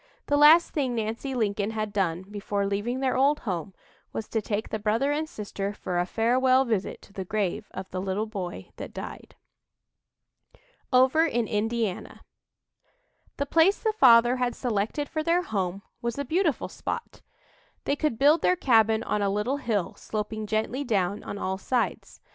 The last thing Nancy Lincoln had done before leaving their old home was to take the brother and sister for a farewell visit to the grave of "the little boy that died." OVER IN INDIANA The place the father had selected for their home was a beautiful spot. They could build their cabin on a little hill, sloping gently down on all sides.